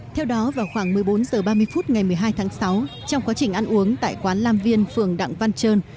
theo đó vào khoảng một mươi bốn h ba mươi phút ngày một mươi hai tháng sáu trong quá trình ăn uống tại quán lam viên phường đặng văn trơn